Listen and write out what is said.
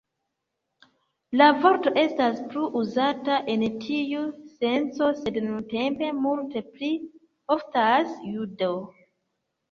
La vorto estas plu uzata en tiu senco, sed nuntempe multe pli oftas "judo".